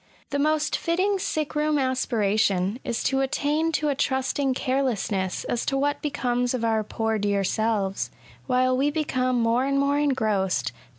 '' The most fitting sick room aspiration is to attain to a trusting carelessness as to what becomes of our poor dear selves, while we become more and more engrossed by k2 196 KWAYS.